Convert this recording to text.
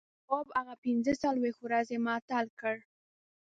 نواب هغه پنځه څلوېښت ورځې معطل کړ.